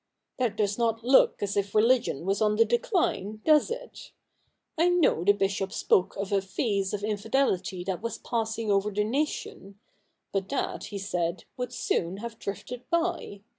That does not look as if religion was on the decline, does it ? I know the Bishop spoke of a phase of infidelity that was passing over the nation : but that, he said, would soon have drifted by.